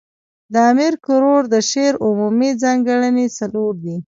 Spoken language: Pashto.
د امیر کروړ د شعر عمومي ځانګړني څلور دي.